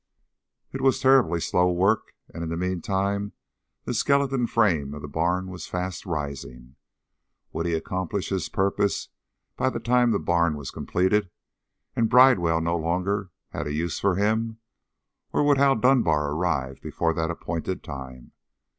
It was terribly slow work, and in the meantime the skeleton frame of the barn was fast rising. Would he accomplish his purpose by the time the barn was completed and Bridewell no longer had a use for him? Or would Hal Dunbar arrive before that appointed time?